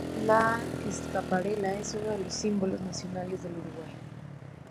La escarapela es uno de los símbolos nacionales del Uruguay.